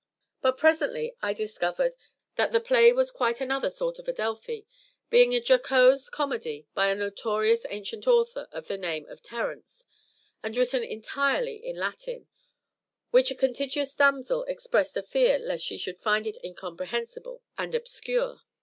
But presently I discovered that the play was quite another sort of Adelphi, being a jocose comedy by a notorious ancient author of the name of TERENCE, and written entirely in Latin, which a contiguous damsel expressed a fear lest she should find it incomprehensible and obscure.